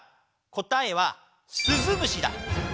答えは「すずむし」だ。